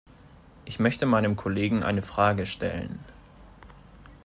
Ich möchte meinem Kollegen eine Frage stellen.